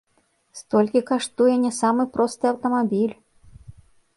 Столькі каштуе не самы просты аўтамабіль!